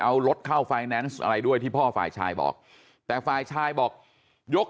เอารถเข้าไฟแนนซ์อะไรด้วยที่พ่อฝ่ายชายบอกแต่ฝ่ายชายบอกยก